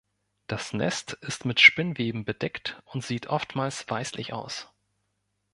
Das Nest ist mit Spinnweben bedeckt und sieht oftmals weißlich aus.